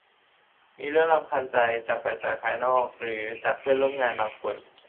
มีเรื่องรำคาญใจจากปัจจัยภายนอกหรือจากเพื่อนร่วมงานบางคน